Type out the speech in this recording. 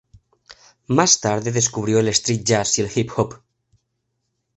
Más tarde descubrió el "street jazz" y el "hip hop".